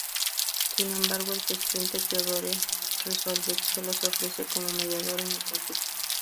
Sin embargo el presidente Theodore Roosevelt solo se ofrece como mediador en el conflicto.